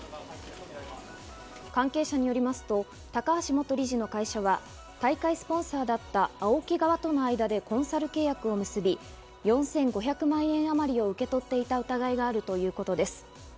関係者によりますと、高橋元理事の会社は大会スポンサーだったＡＯＫＩ側との間でコンサル契約を結び、４５００万円あまりを受け取っていた疑いがあるということです。